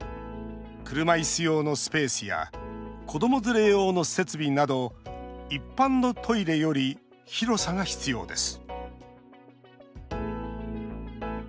車いす用のスペースや子ども連れ用の設備など一般のトイレより広さが必要です